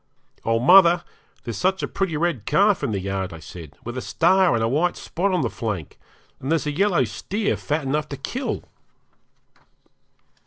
'Oh, mother! there's such a pretty red calf in the yard,' I said, 'with a star and a white spot on the flank; and there's a yellow steer fat enough to kill!'